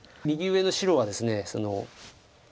右上の白はですね